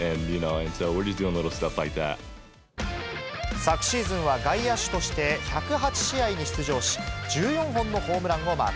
昨シーズンは外野手として１０８試合に出場し、１４本のホームランをマーク。